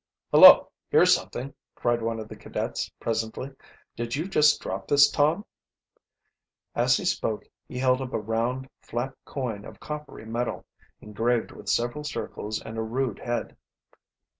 "Hullo, here's something!" cried one of the cadets presently. "Did you just drop this, Tom?" As he spoke he held up a round, flat coin of coppery metal, engraved with several circles and a rude head.